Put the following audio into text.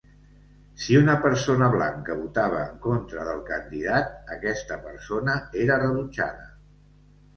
Si una persona blanca votava en contra del candidat, aquesta persona era rebutjada.